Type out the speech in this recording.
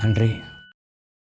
pada saat ini